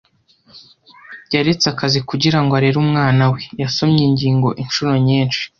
Yaretse akazi kugira ngo arere umwana we. Yasomye ingingo inshuro nyinshi.